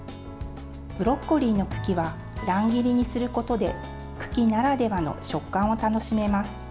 ブロッコリーの茎は乱切りにすることで茎ならではの食感を楽しめます。